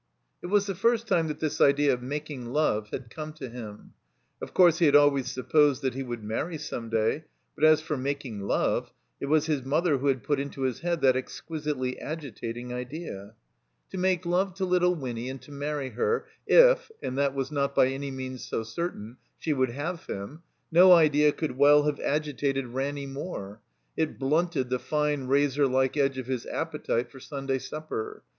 It was the first time that this idea of making love had come to him. Of course he had always sup posed that he would marry some day; but as for making love, it was his mother who had put into his head that exqmsitely agitating idea. To make love to little Winny and to marry her, if (and that was not by any means so certain) she would have him — ^no idea could well have agitated Ranny more. It blunted the fine razorlike edge of his appetite for Stmday supper.